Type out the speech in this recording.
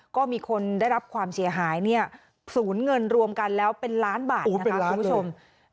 ก็มีคนได้รับความเสียหายสูญเงินรวมกันแล้วเป็นล้านบาทคุณผู้ชม